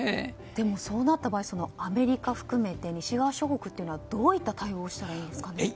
でも、そうなった場合アメリカを含め西側諸国はどういった対応をしたらいいですか。